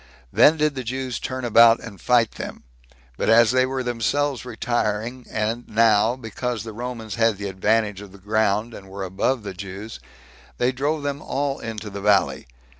Then did the Jews turn about and fight them; but as they were themselves retiring, and now, because the Romans had the advantage of the ground, and were above the Jews, they drove them all into the valley.